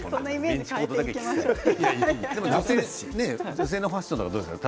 女性のファッションはどうですか？